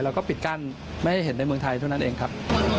แล้วก็ปิดกั้นไม่ให้เห็นในเมืองไทยเท่านั้นเองครับ